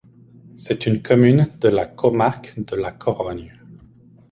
C'est une commune de la comarque de La Corogne.